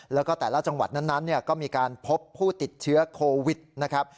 แล้วก็แต่ละจังหวัดนั้นก็มีการพบผู้ติดเชื้อโควิดนะครับ